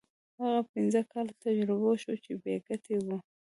هغه پنځه کاله تجربه شو چې بې ګټې وو.